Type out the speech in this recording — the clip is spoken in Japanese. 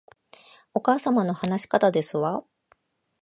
お母様の話し方ですわ